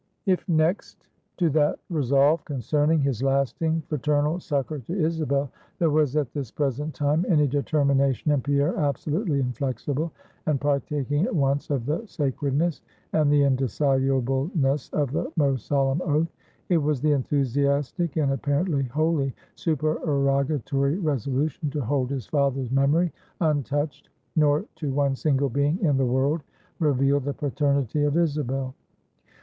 If next to that resolve concerning his lasting fraternal succor to Isabel, there was at this present time any determination in Pierre absolutely inflexible, and partaking at once of the sacredness and the indissolubleness of the most solemn oath, it was the enthusiastic, and apparently wholly supererogatory resolution to hold his father's memory untouched; nor to one single being in the world reveal the paternity of Isabel.